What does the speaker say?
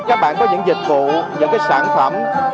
các bạn có những dịch vụ những sản phẩm